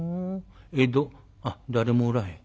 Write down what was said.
江戸あっ誰もおらへん」。